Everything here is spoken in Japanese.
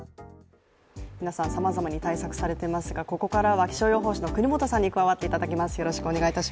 皆さん、さまざまに対策されていますがここからは気象予報士の國本さんに加わっていただきます。